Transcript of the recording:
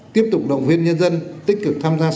tiếp tục động viên nhân dân tích cực tham gia